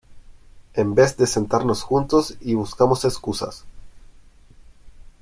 en vez de sentarnos juntos y buscamos excusas